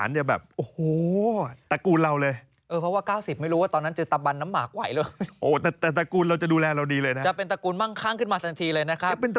อันนี้มันอยู่วิสัยทัศน์ของเราแล้ว